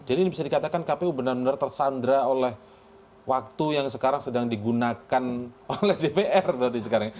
jadi ini bisa dikatakan kpu benar benar tersandra oleh waktu yang sekarang sedang digunakan oleh dpr berarti sekarang